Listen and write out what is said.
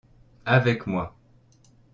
Avec moi.